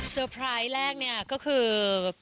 เซอร์ไพรส์แรกเนี่ยก็คือ